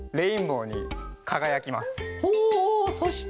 ほうほうそして。